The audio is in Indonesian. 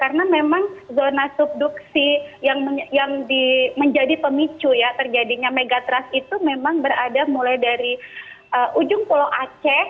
karena memang zona subduksi yang menjadi pemicu ya terjadinya megatrust itu memang berada mulai dari ujung pulau aceh